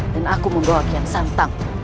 dan aku membawakian santang